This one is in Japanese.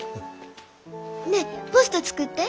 ねっポスト作って。